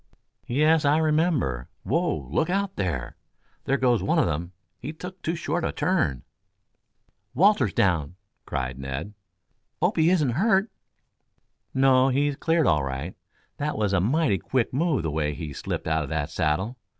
"Yes, I remember. Whoa! Look out, there! There goes one of them! He took too short a turn." "Walter's down!" cried Ned. "Hope he isn't hurt." "No; he's cleared all right. That was a mighty quick move the way he slipped out of that saddle.